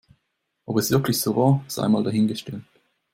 Ob es wirklich so war, sei mal dahingestellt.